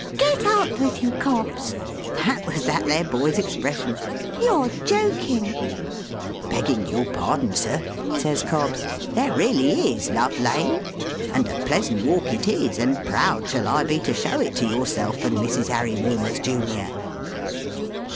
"Get out with you, Cobbs!" that was that there boy's expression, "you're joking." "Begging your pardon, sir," says Cobbs, "there really is Love Lane. And a pleasant walk it is, and proud shall I be to show it to yourself and Mrs. Harry Walmers, Junior."